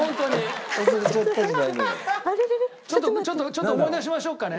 ちょっと思い出しましょうかね。